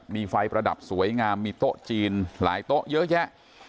มีไฟประดับสวยงามมีโต๊ะจีนหลายโต๊ะเยอะแยะ